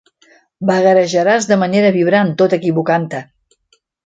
Vagarejaràs de manera vibrant tot equivocant-te.